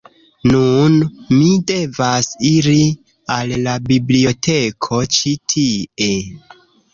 Nun, mi devas iri al la biblioteko ĉi tie